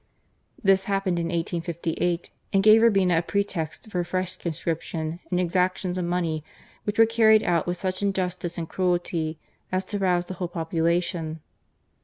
This happened in 1858, and gave Ur.bina a jpretext for a fresh conscription and exac tions of money which were carried out with such injustice and cruelty as to rouse the whole population.